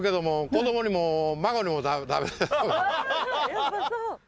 やっぱそう。